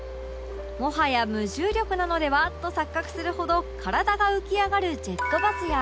もはや無重力なのでは？と錯覚するほど体が浮き上がるジェットバスや